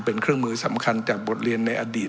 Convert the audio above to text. เป็นเครื่องมือสำคัญจากบทเรียนในอดีต